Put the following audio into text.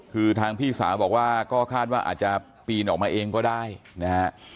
คือทางพี่สาวบอกว่าก็คาดว่าอาจจะปีนออกมาเองก็ได้นะฮะ